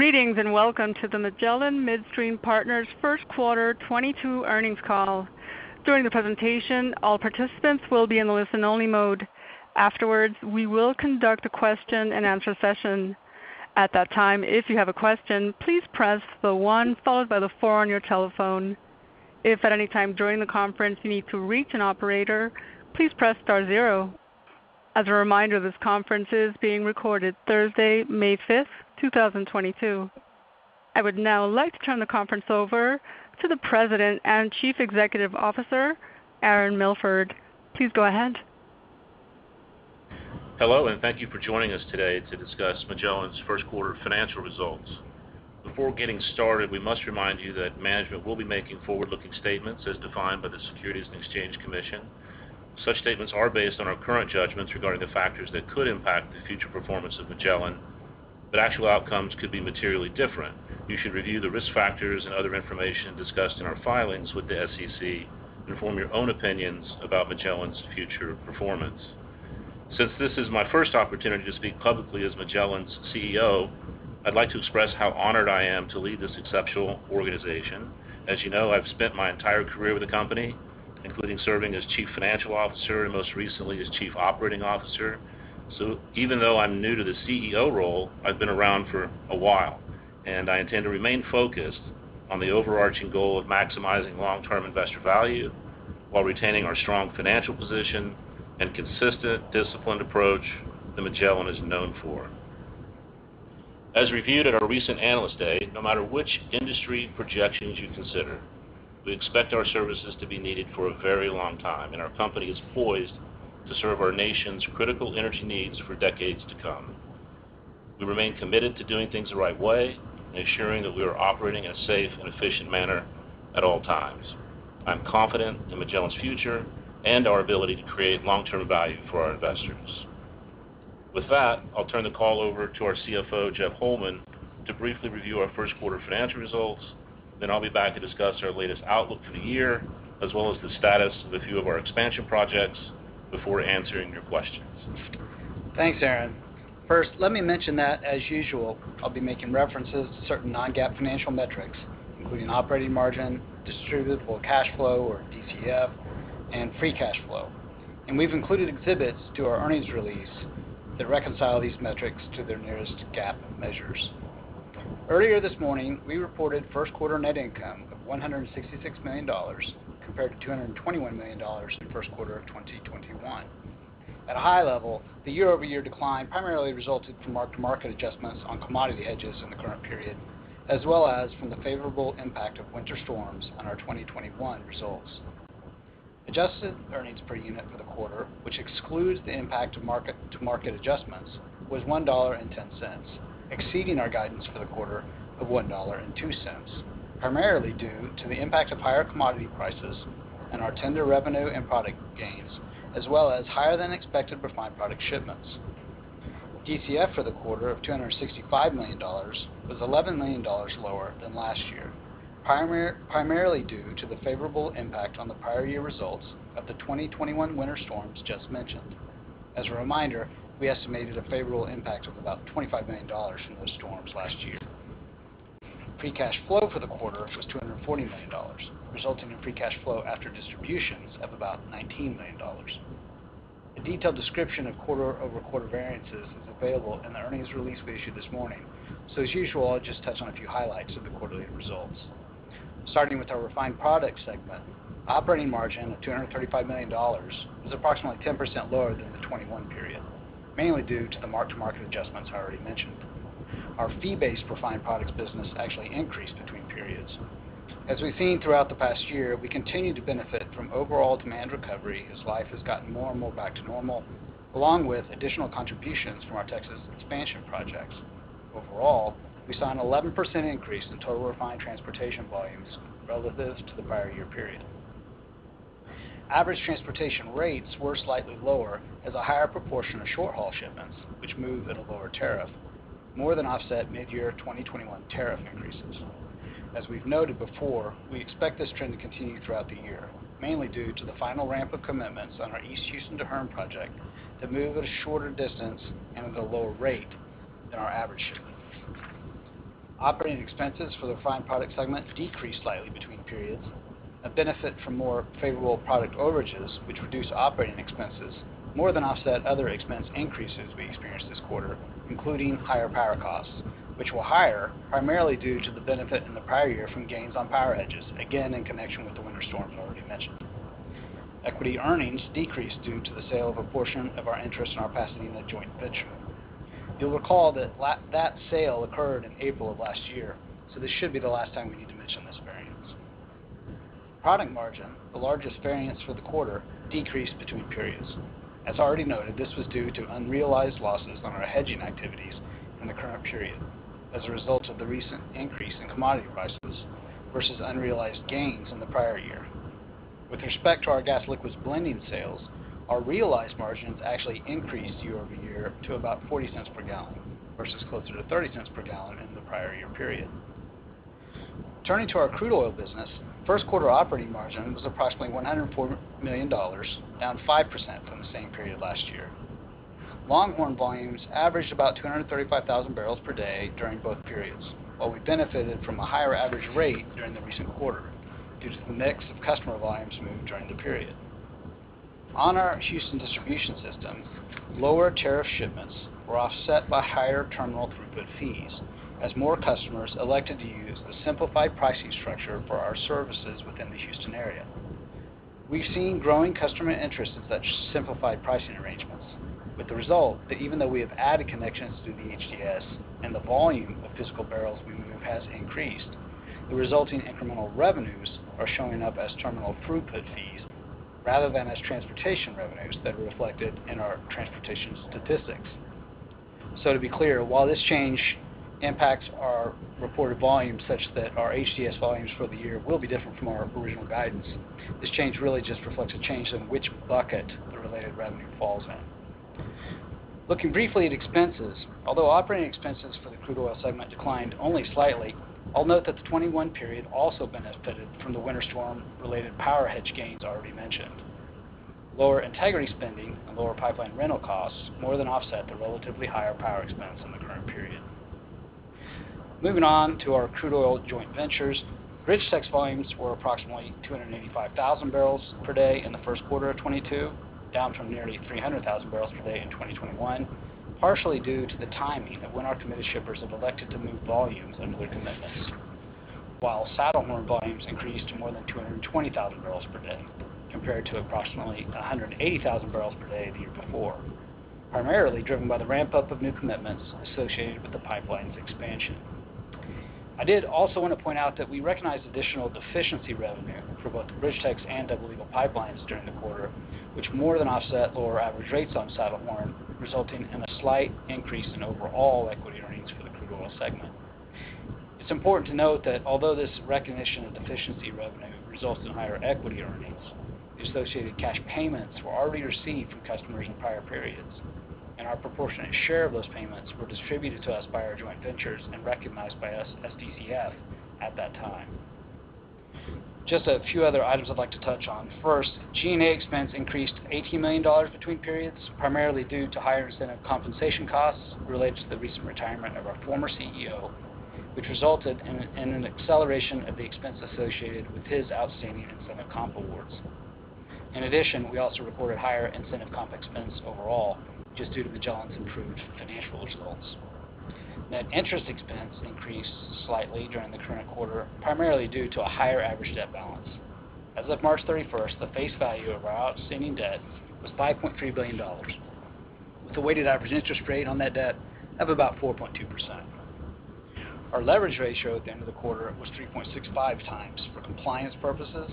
Greetings, and Welcome to the Magellan Midstream Partners first quarter 2022 earnings call. During the presentation, all participants will be in listen-only mode. Afterwards, we will conduct a question-and-answer session. At that time, if you have a question, please press the one followed by the four on your telephone. If at any time during the conference you need to reach an operator, please press star zero. As a reminder, this conference is being recorded Thursday, May 5th, 2022. I would now like to turn the conference over to the President and Chief Executive Officer, Aaron Milford. Please go ahead. Hello, and thank you for joining us today to discuss Magellan's first quarter financial results. Before getting started, we must remind you that management will be making forward-looking statements as defined by the Securities and Exchange Commission. Such statements are based on our current judgments regarding the factors that could impact the future performance of Magellan, but actual outcomes could be materially different. You should review the risk factors and other information discussed in our filings with the SEC and form your own opinions about Magellan's future performance. Since this is my first opportunity to speak publicly as Magellan's CEO, I'd like to express how honored I am to lead this exceptional organization. As you know, I've spent my entire career with the company, including serving as Chief Financial Officer and most recently as Chief Operating Officer. Even though I'm new to the CEO role, I've been around for a while, and I intend to remain focused on the overarching goal of maximizing long-term investor value while retaining our strong financial position and consistent, disciplined approach that Magellan is known for. As reviewed at our recent Analyst Day, no matter which industry projections you consider, we expect our services to be needed for a very long time, and our company is poised to serve our nation's critical energy needs for decades to come. We remain committed to doing things the right way and ensuring that we are operating in a safe and efficient manner at all times. I'm confident in Magellan's future and our ability to create long-term value for our investors. With that, I'll turn the call over to our CFO, Jeff Holman, to briefly review our first quarter financial results. I'll be back to discuss our latest outlook for the year, as well as the status of a few of our expansion projects before answering your questions. Thanks, Aaron. First, let me mention that, as usual, I'll be making references to certain non-GAAP financial metrics, including operating margin, distributable cash flow or DCF, and free cash flow. We've included exhibits to our earnings release that reconcile these metrics to their nearest GAAP measures. Earlier this morning, we reported first quarter net income of $166 million compared to $221 million in the first quarter of 2021. At a high level, the year-over-year decline primarily resulted from mark-to-market adjustments on commodity hedges in the current period, as well as from the favorable impact of winter storms on our 2021 results. Adjusted earnings per unit for the quarter, which excludes the impact of mark-to-market adjustments, was $1.10, exceeding our guidance for the quarter of $1.02, primarily due to the impact of higher commodity prices and our tender revenue and product gains, as well as higher than expected refined product shipments. DCF for the quarter of $265 million was $11 million lower than last year, primarily due to the favorable impact on the prior year results of the 2021 winter storms just mentioned. As a reminder, we estimated a favorable impact of about $25 million from those storms last year. Free cash flow for the quarter was $240 million, resulting in free cash flow after distributions of about $19 million. A detailed description of quarter-over-quarter variances is available in the earnings release we issued this morning. As usual, I'll just touch on a few highlights of the quarterly results. Starting with our refined products segment, operating margin of $235 million was approximately 10% lower than the 21 period, mainly due to the mark-to-market adjustments I already mentioned. Our fee-based refined products business actually increased between periods. As we've seen throughout the past year, we continue to benefit from overall demand recovery as life has gotten more and more back to normal, along with additional contributions from our Texas expansion projects. Overall, we saw an 11% increase in total refined transportation volumes relative to the prior year period. Average transportation rates were slightly lower as a higher proportion of short-haul shipments, which move at a lower tariff, more than offset mid-year 2021 tariff increases. As we've noted before, we expect this trend to continue throughout the year, mainly due to the final ramp of commitments on our East Houston to Hearne project to move at a shorter distance and at a lower rate than our average shipments. Operating expenses for the refined products segment decreased slightly between periods. A benefit from more favorable product overages, which reduce operating expenses more than offset other expense increases we experienced this quarter, including higher power costs, which were higher primarily due to the benefit in the prior year from gains on power hedges, again, in connection with the winter storms already mentioned. Equity earnings decreased due to the sale of a portion of our interest in our Pasadena joint venture. You'll recall that sale occurred in April of last year, so this should be the last time we need to mention this variance. Product margin, the largest variance for the quarter, decreased between periods. As already noted, this was due to unrealized losses on our hedging activities in the current period as a result of the recent increase in commodity prices versus unrealized gains in the prior year. With respect to our gas liquids blending sales, our realized margins actually increased year-over-year to about $0.40 per gallon versus closer to $0.30 per gallon in the prior year period. Turning to our crude oil business, first quarter operating margin was approximately $104 million, down 5% from the same period last year. Longhorn volumes averaged about 235,000 barrels per day during both periods, while we benefited from a higher average rate during the recent quarter due to the mix of customer volumes moved during the period. On our Houston distribution system, lower tariff shipments were offset by higher terminal throughput fees as more customers elected to use the simplified pricing structure for our services within the Houston area. We've seen growing customer interest in such simplified pricing arrangements, with the result that even though we have added connections to the HDS and the volume of physical barrels we move has increased, the resulting incremental revenues are showing up as terminal throughput fees rather than as transportation revenues that are reflected in our transportation statistics. To be clear, while this change impacts our reported volume such that our HDS volumes for the year will be different from our original guidance, this change really just reflects a change in which bucket the related revenue falls in. Looking briefly at expenses, although operating expenses for the crude oil segment declined only slightly, I'll note that the 2021 period also benefited from the winter storm-related power hedge gains already mentioned. Lower integrity spending and lower pipeline rental costs more than offset the relatively higher power expense in the current period. Moving on to our crude oil joint ventures, BridgeTex volumes were approximately 285,000 barrels per day in the first quarter of 2022, down from nearly 300,000 barrels per day in 2021, partially due to the timing of when our committed shippers have elected to move volumes under their commitments. While Saddlehorn volumes increased to more than 220,000 barrels per day compared to approximately 180,000 barrels per day the year before, primarily driven by the ramp-up of new commitments associated with the pipeline's expansion. I did also want to point out that we recognized additional deficiency revenue for both BridgeTex and Double Eagle pipelines during the quarter, which more than offset lower average rates on Saddlehorn, resulting in a slight increase in overall equity earnings for the crude oil segment. It's important to note that although this recognition of deficiency revenue results in higher equity earnings, the associated cash payments were already received from customers in prior periods, and our proportionate share of those payments were distributed to us by our joint ventures and recognized by us as DCF at that time. Just a few other items I'd like to touch on. First, G&A expense increased $18 million between periods, primarily due to higher incentive compensation costs related to the recent retirement of our former CEO, which resulted in an acceleration of the expense associated with his outstanding incentive comp awards. In addition, we also reported higher incentive comp expense overall, just due to Magellan's improved financial results. Net interest expense increased slightly during the current quarter, primarily due to a higher average debt balance. As of March thirty-first, the face value of our outstanding debt was $5.3 billion, with a weighted average interest rate on that debt of about 4.2%. Our leverage ratio at the end of the quarter was 3.65x for compliance purposes,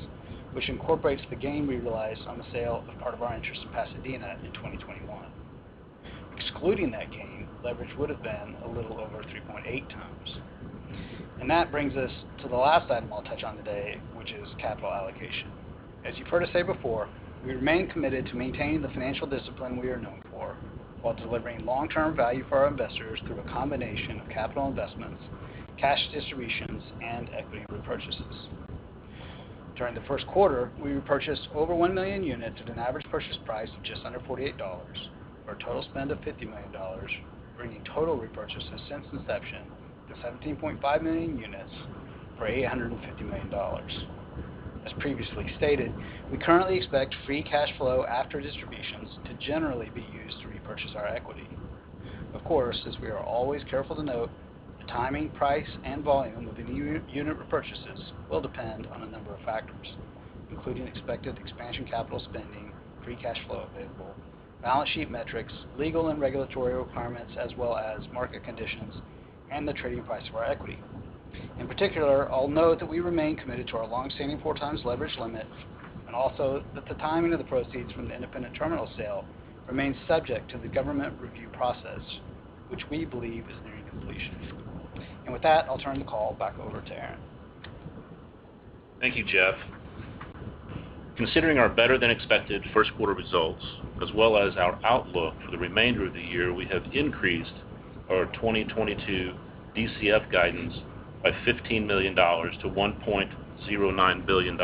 which incorporates the gain we realized on the sale of part of our interest in Pasadena in 2021. Excluding that gain, leverage would have been a little over 3.8x. That brings us to the last item I'll touch on today, which is capital allocation. As you've heard us say before, we remain committed to maintaining the financial discipline we are known for while delivering long-term value for our investors through a combination of capital investments, cash distributions, and equity repurchases. During the first quarter, we repurchased over 1 million units at an average purchase price of just under $48 for a total spend of $50 million, bringing total repurchases since inception to 17.5 million units for $850 million. As previously stated, we currently expect free cash flow after distributions to generally be used to repurchase our equity. Of course, as we are always careful to note, the timing, price, and volume of any unit repurchases will depend on a number of factors, including expected expansion capital spending, free cash flow available, balance sheet metrics, legal and regulatory requirements, as well as market conditions and the trading price of our equity. In particular, I'll note that we remain committed to our long-standing 4x leverage limit, and also that the timing of the proceeds from the Southeast terminal sale remains subject to the government review process, which we believe is nearing completion. With that, I'll turn the call back over to Aaron. Thank you, Jeff. Considering our better-than-expected first quarter results, as well as our outlook for the remainder of the year, we have increased our 2022 DCF guidance by $15 million-$1.09 billion.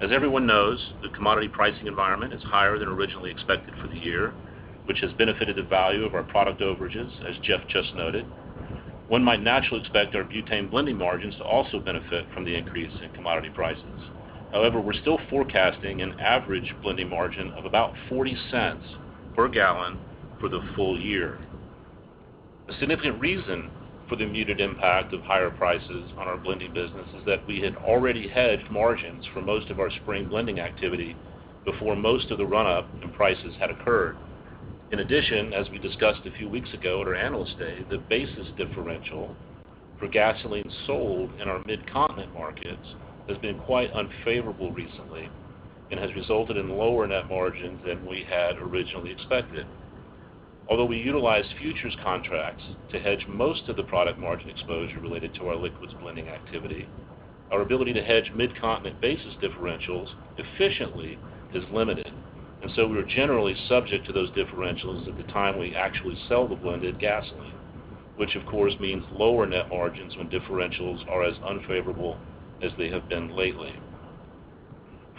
As everyone knows, the commodity pricing environment is higher than originally expected for the year, which has benefited the value of our product overages, as Jeff just noted. One might naturally expect our butane blending margins to also benefit from the increase in commodity prices. However, we're still forecasting an average blending margin of about $0.40 per gallon for the full year. A significant reason for the muted impact of higher prices on our blending business is that we had already hedged margins for most of our spring blending activity before most of the run-up in prices had occurred. In addition, as we discussed a few weeks ago at our Analyst Day, the basis differential for gasoline sold in our Mid-Continent markets has been quite unfavorable recently and has resulted in lower net margins than we had originally expected. Although we utilized futures contracts to hedge most of the product margin exposure related to our liquids blending activity. Our ability to hedge Mid-Continent basis differentials efficiently is limited, and so we are generally subject to those differentials at the time we actually sell the blended gasoline, which of course means lower net margins when differentials are as unfavorable as they have been lately.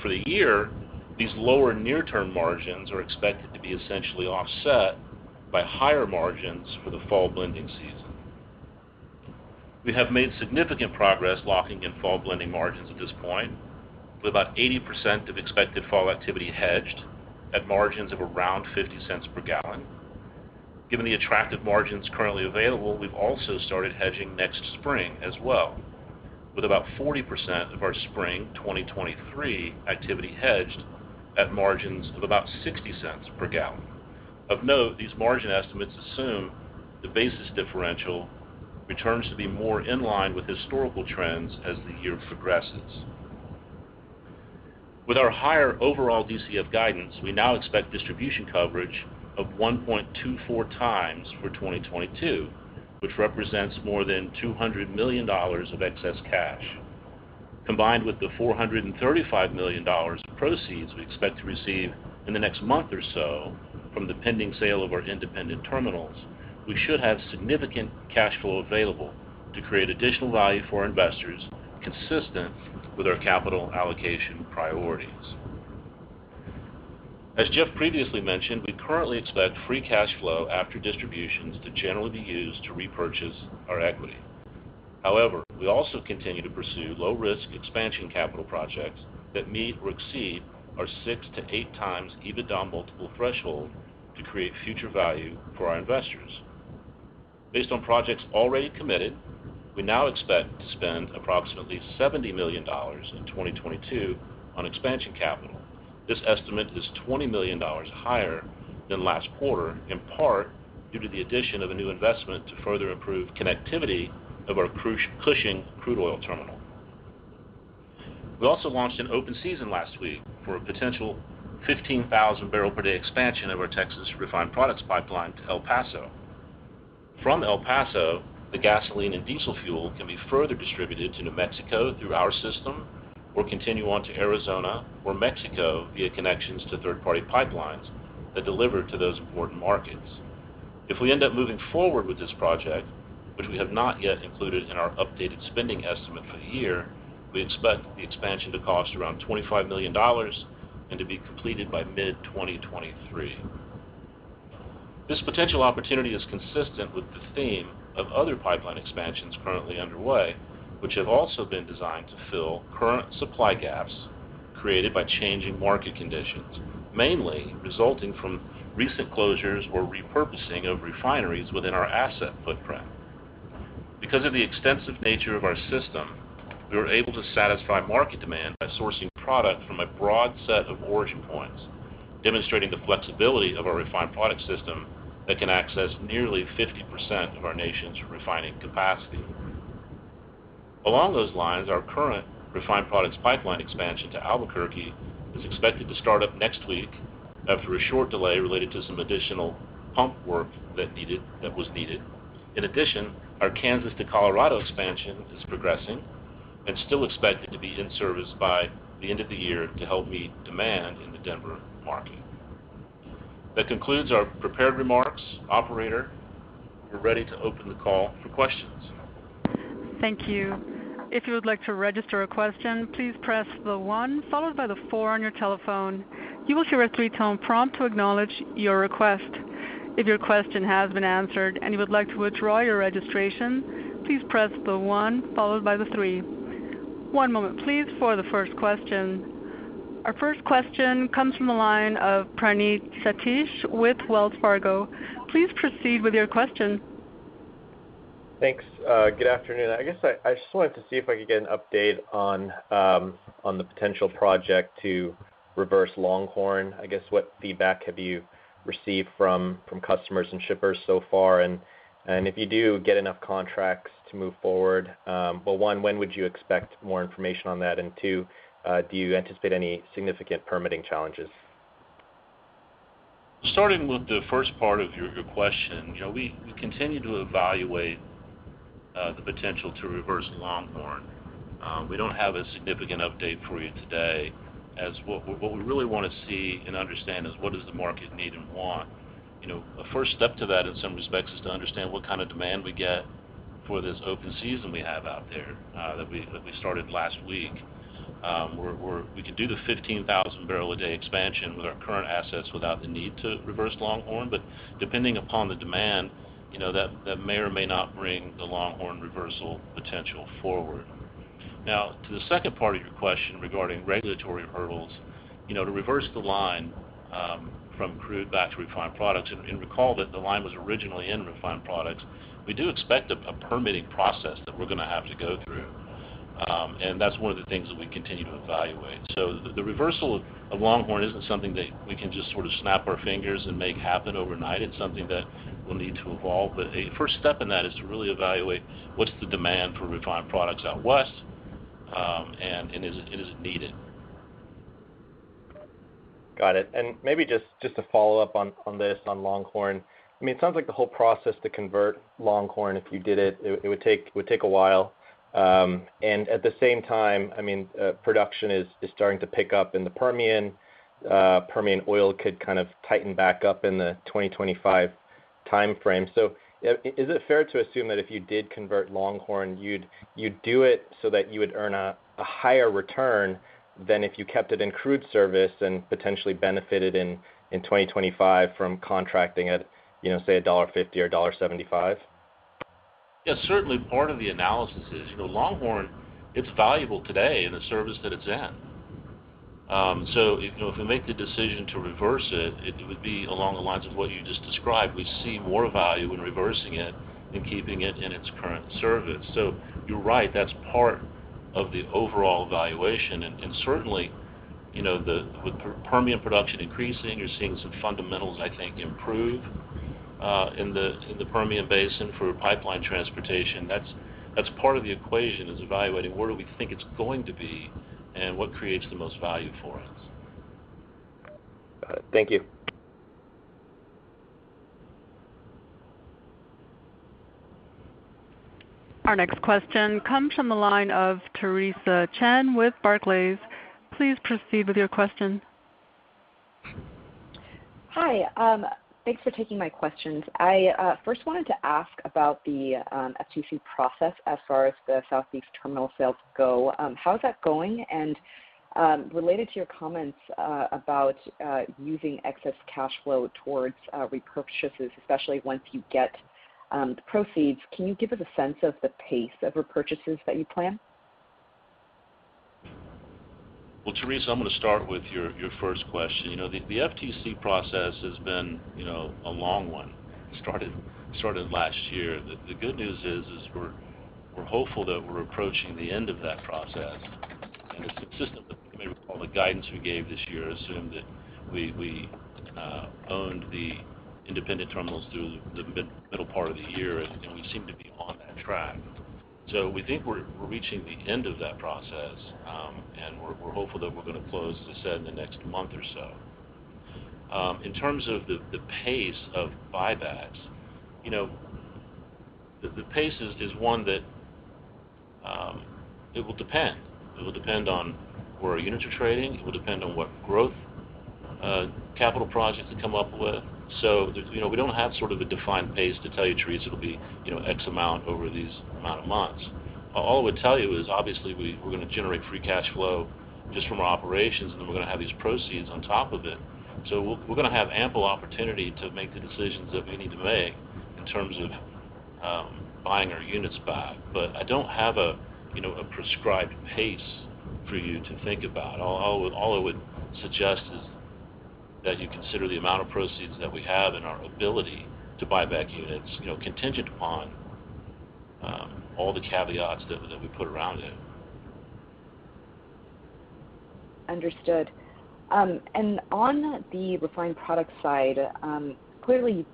For the year, these lower near-term margins are expected to be essentially offset by higher margins for the fall blending season. We have made significant progress locking in fall blending margins at this point, with about 80% of expected fall activity hedged at margins of around $0.50 per gallon. Given the attractive margins currently available, we've also started hedging next spring as well, with about 40% of our spring 2023 activity hedged at margins of about $0.60 per gallon. Of note, these margin estimates assume the basis differential returns to be more in line with historical trends as the year progresses. With our higher overall DCF guidance, we now expect distribution coverage of 1.24x for 2022, which represents more than $200 million of excess cash. Combined with the $435 million of proceeds we expect to receive in the next month or so from the pending sale of our independent terminals, we should have significant cash flow available to create additional value for investors consistent with our capital allocation priorities. As Jeff previously mentioned, we currently expect free cash flow after distributions to generally be used to repurchase our equity. However, we also continue to pursue low-risk expansion capital projects that meet or exceed our 6x-8x EBITDA multiple threshold to create future value for our investors. Based on projects already committed, we now expect to spend approximately $70 million in 2022 on expansion capital. This estimate is $20 million higher than last quarter, in part due to the addition of a new investment to further improve connectivity of our Crude-Cushing crude oil terminal. We also launched an open season last week for a potential 15,000 barrel per day expansion of our Texas refined products pipeline to El Paso. From El Paso, the gasoline and diesel fuel can be further distributed to New Mexico through our system or continue on to Arizona or Mexico via connections to third-party pipelines that deliver to those important markets. If we end up moving forward with this project, which we have not yet included in our updated spending estimate for the year, we expect the expansion to cost around $25 million and to be completed by mid-2023. This potential opportunity is consistent with the theme of other pipeline expansions currently underway, which have also been designed to fill current supply gaps created by changing market conditions, mainly resulting from recent closures or repurposing of refineries within our asset footprint. Because of the extensive nature of our system, we are able to satisfy market demand by sourcing product from a broad set of origin points, demonstrating the flexibility of our refined product system that can access nearly 50% of our nation's refining capacity. Along those lines, our current refined products pipeline expansion to Albuquerque is expected to start up next week after a short delay related to some additional pump work that was needed. In addition, our Kansas to Colorado expansion is progressing and still expected to be in service by the end of the year to help meet demand in the Denver market. That concludes our prepared remarks. Operator, we're ready to open the call for questions. Thank you. If you would like to register a question, please press the one followed by the four on your telephone. You will hear a three-tone prompt to acknowledge your request. If your question has been answered and you would like to withdraw your registration, please press the one followed by the three. One moment please for the first question. Our first question comes from the line of Praneeth Satish with Wells Fargo. Please proceed with your question. Thanks. Good afternoon. I guess I just wanted to see if I could get an update on the potential project to reverse Longhorn. I guess what feedback have you received from customers and shippers so far? And if you do get enough contracts to move forward, well, one, when would you expect more information on that? And two, do you anticipate any significant permitting challenges? Starting with the first part of your question, you know, we continue to evaluate the potential to reverse Longhorn. We don't have a significant update for you today as what we really wanna see and understand is, what does the market need and want? You know, a first step to that in some respects is to understand what kind of demand we get for this open season we have out there, that we started last week. We can do the 15,000-barrel-a-day expansion with our current assets without the need to reverse Longhorn, but depending upon the demand, you know, that may or may not bring the Longhorn reversal potential forward. Now, to the second part of your question regarding regulatory hurdles, you know, to reverse the line, from crude back to refined products, and recall that the line was originally in refined products, we do expect a permitting process that we're gonna have to go through, and that's one of the things that we continue to evaluate. The reversal of Longhorn isn't something that we can just sort of snap our fingers and make happen overnight. It's something that will need to evolve. A first step in that is to really evaluate what's the demand for refined products out west, and is it needed? Got it. Maybe just to follow up on this, on Longhorn. I mean, it sounds like the whole process to convert Longhorn, if you did it would take a while. At the same time, I mean, production is starting to pick up in the Permian. Permian oil could kind of tighten back up in the 2025 timeframe. Is it fair to assume that if you did convert Longhorn, you'd do it so that you would earn a higher return than if you kept it in crude service and potentially benefited in 2025 from contracting at, you know, say, $1.50 or $1.75? Yes, certainly part of the analysis is, you know, Longhorn, it's valuable today in the service that it's in. You know, if we make the decision to reverse it would be along the lines of what you just described. We see more value in reversing it than keeping it in its current service. You're right, that's part of the overall evaluation. Certainly, you know, with Permian production increasing, you're seeing some fundamentals, I think, improve in the Permian Basin for pipeline transportation. That's part of the equation, is evaluating where do we think it's going to be and what creates the most value for us. Got it. Thank you. Our next question comes from the line of Theresa Chen with Barclays. Please proceed with your question. Hi. Thanks for taking my questions. I first wanted to ask about the FTC process as far as the Southeast terminal sales go. How is that going? Related to your comments about using excess cash flow towards repurchases, especially once you get the proceeds, can you give us a sense of the pace of repurchases that you plan? Well, Theresa, I'm gonna start with your first question. You know, the FTC process has been, you know, a long one. It started last year. The good news is we're hopeful that we're approaching the end of that process. It's consistent with, you may recall, the guidance we gave this year assumed that we owned the independent terminals through the middle part of the year, and we seem to be on that track. We think we're reaching the end of that process, and we're hopeful that we're gonna close, as I said, in the next month or so. In terms of the pace of buybacks, you know, the pace is one that it will depend on where our units are trading. It will depend on what growth capital projects we come up with. You know, we don't have sort of a defined pace to tell you, Theresa. It'll be you know, x amount over these amount of months. All I would tell you is obviously we're gonna generate free cash flow just from our operations, and then we're gonna have these proceeds on top of it. We're gonna have ample opportunity to make the decisions that we need to make in terms of buying our units back. I don't have a you know, a prescribed pace for you to think about. All I would suggest is that you consider the amount of proceeds that we have and our ability to buy back units, you know, contingent upon all the caveats that we put around it. Understood. On the refined product side, clearly you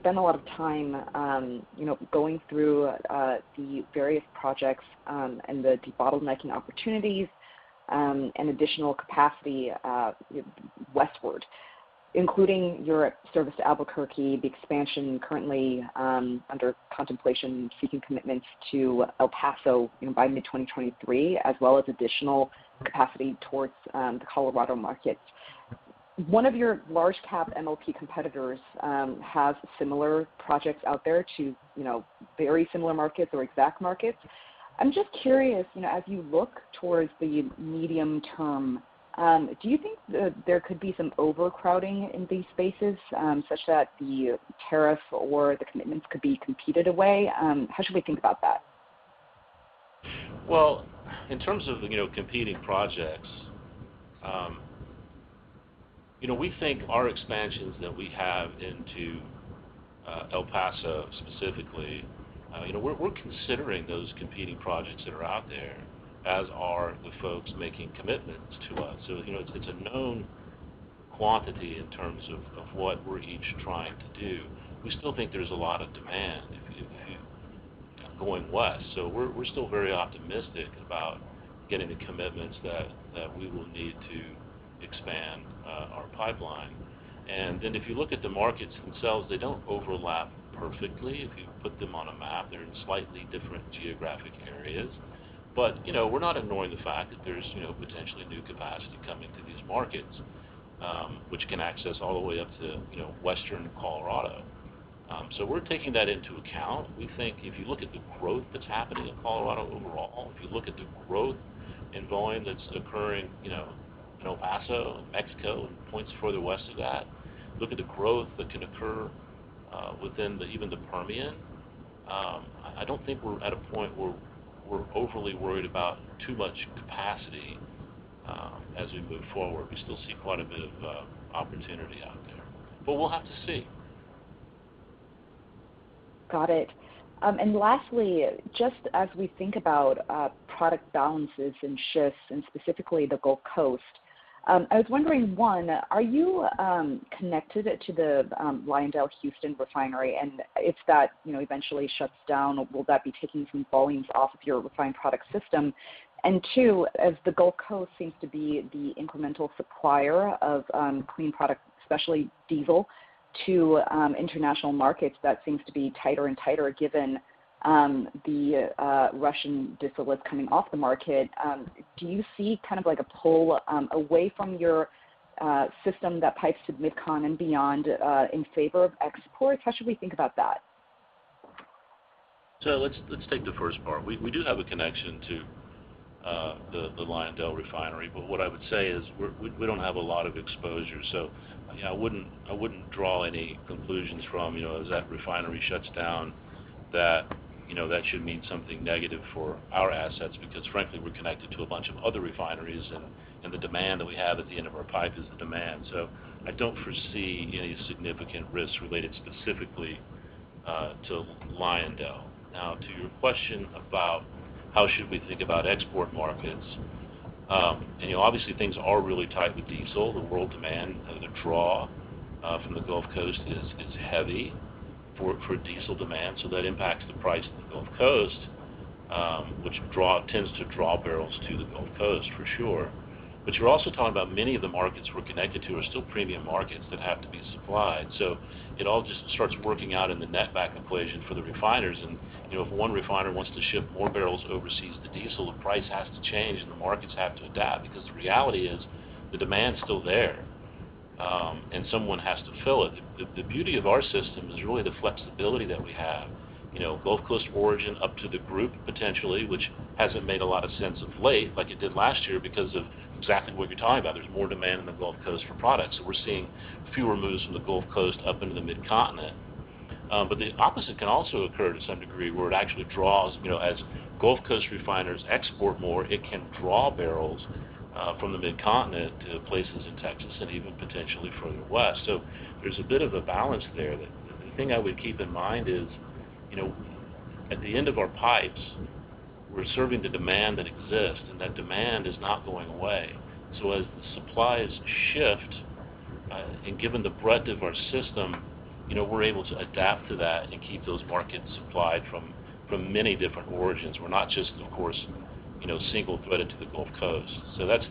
spend a lot of time, you know, going through the various projects, and bottlenecking opportunities, and additional capacity westward, including your service to Albuquerque, the expansion currently under contemplation, seeking commitments to El Paso by mid-2023, as well as additional capacity towards the Colorado market. One of your large cap MLP competitors has similar projects out there too, you know, very similar markets or exact markets. I'm just curious, you know, as you look towards the medium term, do you think there could be some overcrowding in these spaces, such that the tariff or the commitments could be competed away? How should we think about that? Well, in terms of, you know, competing projects, you know, we think our expansions that we have into El Paso specifically, you know, we're considering those competing projects that are out there, as are the folks making commitments to us. You know, it's a known quantity in terms of what we're each trying to do. We still think there's a lot of demand if you're going west. We're still very optimistic about getting the commitments that we will need to expand our pipeline. If you look at the markets themselves, they don't overlap perfectly. If you put them on a map, they're in slightly different geographic areas. You know, we're not ignoring the fact that there's, you know, potentially new capacity coming to these markets, which can access all the way up to, you know, western Colorado. So we're taking that into account. We think if you look at the growth that's happening in Colorado overall, if you look at the growth in volume that's occurring, you know, in El Paso and Mexico and points further west of that, look at the growth that can occur, within even the Permian, I don't think we're at a point where we're overly worried about too much capacity, as we move forward. We still see quite a bit of opportunity out there, but we'll have to see. Got it. Lastly, just as we think about product balances and shifts and specifically the Gulf Coast, I was wondering, one, are you connected to the LyondellBasell Houston refinery? If that, you know, eventually shuts down, will that be taking some volumes off of your refined product system? Two, as the Gulf Coast seems to be the incremental supplier of clean product, especially diesel to international markets that seems to be tighter and tighter given the Russian diesel that's coming off the market. Do you see kind of like a pull away from your system that pipes to MidCon and beyond in favor of exports? How should we think about that? Let's take the first part. We do have a connection to the LyondellBasell refinery, but what I would say is we don't have a lot of exposure. You know, I wouldn't draw any conclusions from, you know, as that refinery shuts down that, you know, that should mean something negative for our assets because frankly, we're connected to a bunch of other refineries and the demand that we have at the end of our pipe is the demand. I don't foresee any significant risks related specifically to LyondellBasell. Now, to your question about how should we think about export markets. You know, obviously things are really tight with diesel. The world demand, the draw, from the Gulf Coast is heavy for diesel demand, so that impacts the price of the Gulf Coast, which tends to draw barrels to the Gulf Coast for sure. You're also talking about many of the markets we're connected to are still premium markets that have to be supplied. It all just starts working out in the netback equation for the refiners. You know, if one refiner wants to ship more barrels overseas to diesel, the price has to change and the markets have to adapt because the reality is the demand's still there, and someone has to fill it. The beauty of our system is really the flexibility that we have. You know, Gulf Coast origin up to the group potentially, which hasn't made a lot of sense of late like it did last year because of exactly what you're talking about. There's more demand in the Gulf Coast for products, so we're seeing fewer moves from the Gulf Coast up into the Mid-Continent. The opposite can also occur to some degree where it actually draws, you know, as Gulf Coast refiners export more, it can draw barrels from the Mid-Continent to places in Texas and even potentially further west. There's a bit of a balance there. The thing I would keep in mind is, you know, at the end of our pipes, we're serving the demand that exists and that demand is not going away. As the supplies shift, and given the breadth of our system, you know, we're able to adapt to that and keep those markets supplied from many different origins. We're not just of course, you know, single-threaded to the Gulf Coast. That's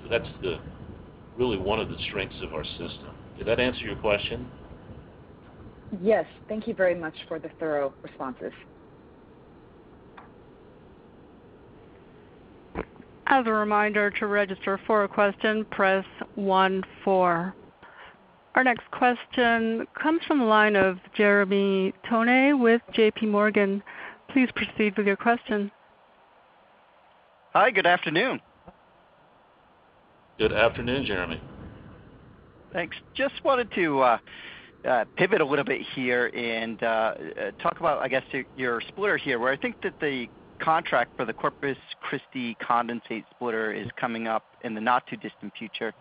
really one of the strengths of our system. Did that answer your question? Yes. Thank you very much for the thorough responses. As a reminder, to register for a question, press one-four. Our next question comes from the line of Jeremy Tonet with J.P. Morgan. Please proceed with your question. Hi, good afternoon. Good afternoon, Jeremy. Thanks. Just wanted to pivot a little bit here and talk about, I guess, your splitter here, where I think that the contract for the Corpus Christi condensate splitter is coming up in the not too distant future.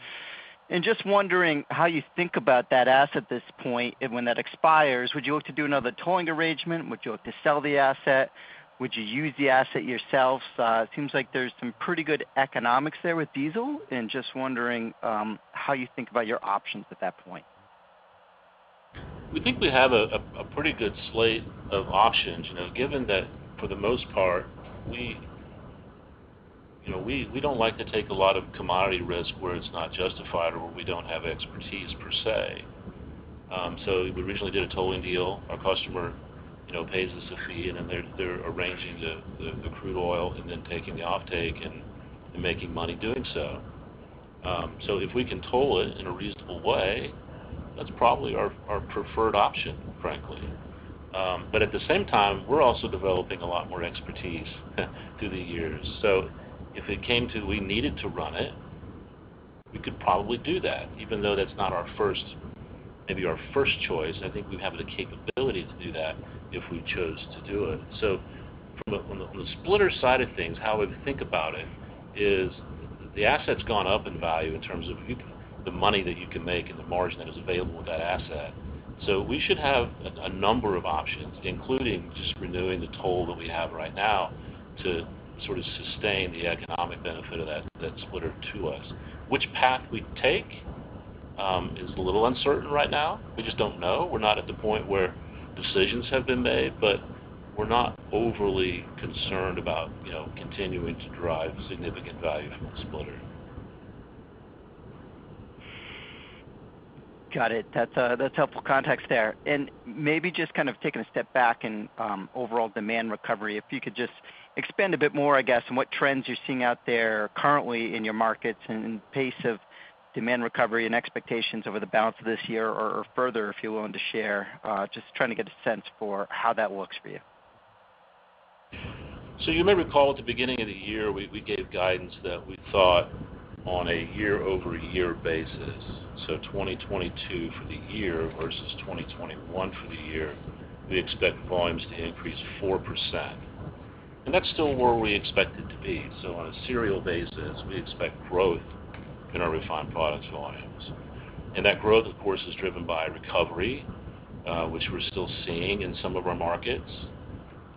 Just wondering how you think about that asset at this point, and when that expires, would you look to do another tolling arrangement? Would you look to sell the asset? Would you use the asset yourselves? It seems like there's some pretty good economics there with diesel. Just wondering how you think about your options at that point. We think we have a pretty good slate of options. You know, given that for the most part, we don't like to take a lot of commodity risk where it's not justified or where we don't have expertise per se. We originally did a tolling deal. Our customer, you know, pays us a fee, and then they're arranging the crude oil and then taking the offtake and making money doing so. If we can toll it in a reasonable way, that's probably our preferred option, frankly. At the same time, we're also developing a lot more expertise through the years. If it came to we needed to run it, we could probably do that. Even though that's not our first, maybe our first choice. I think we have the capability to do that if we chose to do it. On the splitter side of things, how we think about it is the asset's gone up in value in terms of the money that you can make and the margin that is available with that asset. We should have a number of options, including just renewing the toll that we have right now to sort of sustain the economic benefit of that splitter to us. Which path we take is a little uncertain right now. We just don't know. We're not at the point where decisions have been made, but we're not overly concerned about, you know, continuing to drive significant value from the splitter. Got it. That's helpful context there. Maybe just kind of taking a step back in overall demand recovery, if you could just expand a bit more, I guess, on what trends you're seeing out there currently in your markets and pace of demand recovery and expectations over the balance of this year or further, if you're willing to share. Just trying to get a sense for how that looks for you. You may recall at the beginning of the year, we gave guidance that we thought on a year-over-year basis. 2022 for the year versus 2021 for the year, we expect volumes to increase 4%. That's still where we expect it to be. On a sequential basis, we expect growth in our refined products volumes. That growth, of course, is driven by recovery, which we're still seeing in some of our markets,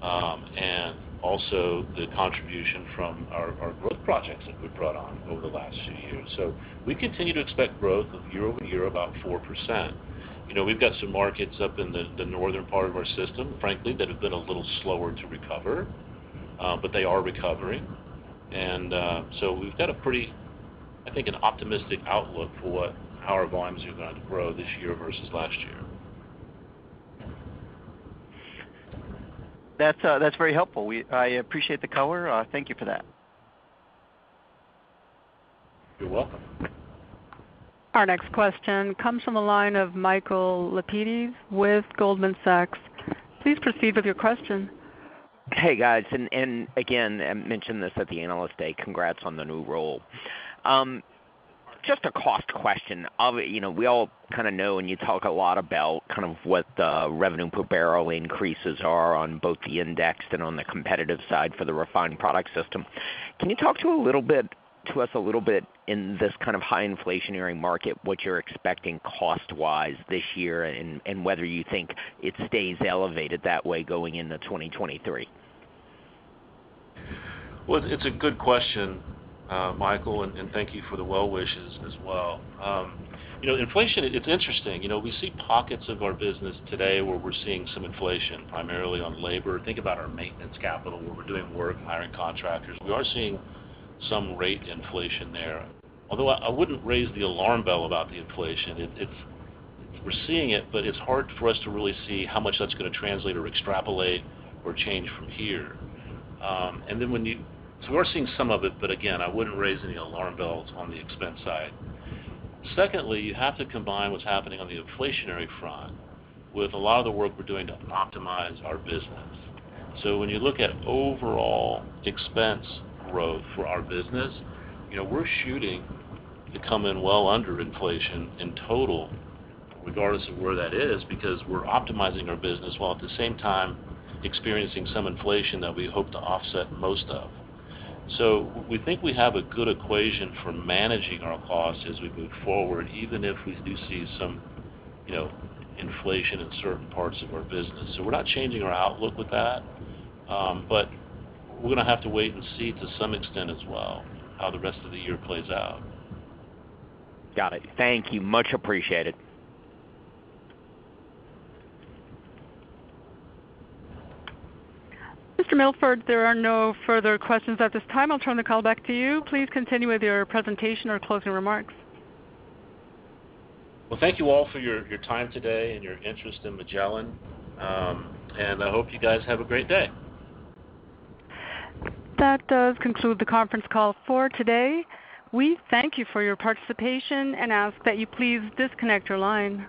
and also the contribution from our growth projects that we've brought on over the last few years. We continue to expect growth year-over-year, about 4%. You know, we've got some markets up in the northern part of our system, frankly, that have been a little slower to recover, but they are recovering. We've got a pretty, I think, optimistic outlook for how our volumes are going to grow this year versus last year. That's very helpful. I appreciate the color. Thank you for that. You're welcome. Our next question comes from the line of Michael Lapides with Goldman Sachs. Please proceed with your question. Hey, guys. Again, I mentioned this at the Analyst Day, congrats on the new role. Just a cost question. Obviously, you know, we all kinda know when you talk a lot about kind of what the revenue per barrel increases are on both the indexed and on the competitive side for the refined product system. Can you talk to us a little bit in this kind of high inflationary market, what you're expecting cost-wise this year and whether you think it stays elevated that way going into 2023? Well, it's a good question, Michael, and thank you for the well wishes as well. You know, inflation, it's interesting. You know, we see pockets of our business today where we're seeing some inflation, primarily on labor. Think about our maintenance capital, where we're doing work, hiring contractors. We are seeing some rate inflation there. Although I wouldn't raise the alarm bell about the inflation. It's we're seeing it, but it's hard for us to really see how much that's gonna translate or extrapolate or change from here. So we're seeing some of it, but again, I wouldn't raise any alarm bells on the expense side. Secondly, you have to combine what's happening on the inflationary front with a lot of the work we're doing to optimize our business. When you look at overall expense growth for our business, you know, we're shooting to come in well under inflation in total, regardless of where that is, because we're optimizing our business while at the same time experiencing some inflation that we hope to offset most of. We think we have a good equation for managing our costs as we move forward, even if we do see some, you know, inflation in certain parts of our business. We're not changing our outlook with that, but we're gonna have to wait and see to some extent as well how the rest of the year plays out. Got it. Thank you. Much appreciated. Mr. Milford, there are no further questions at this time. I'll turn the call back to you. Please continue with your presentation or closing remarks. Well, thank you all for your time today and your interest in Magellan. I hope you guys have a great day. That does conclude the conference call for today. We thank you for your participation and ask that you please disconnect your line.